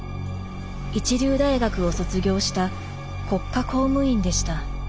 一流大学を卒業した国家公務員でした。